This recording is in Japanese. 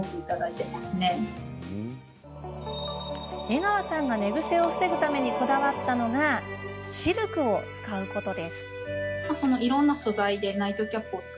江川さんが寝ぐせを防ぐためにこだわったのがシルクを使うこと。